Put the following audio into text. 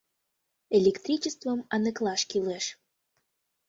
Электричествым аныклаш кӱлеш.